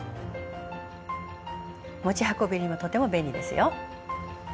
持ち運びにもとても便利ですよ。